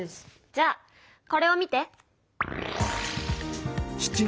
じゃあこれを見て。